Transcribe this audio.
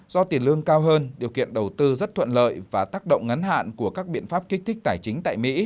do tiền lương cao hơn điều kiện đầu tư rất thuận lợi và tác động ngắn hạn của các biện pháp kích thích tài chính tại mỹ